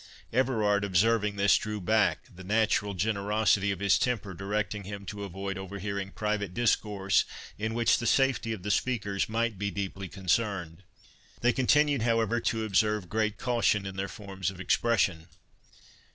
Everard observing this drew back, the natural generosity of his temper directing him to avoid overhearing private discourse, in which the safety of the speakers might be deeply concerned. They continued, however, to observe great caution in their forms of expression.